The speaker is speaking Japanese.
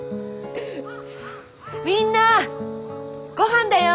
みんなごはんだよ！